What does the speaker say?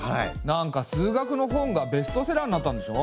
なんか数学の本がベストセラーになったんでしょ？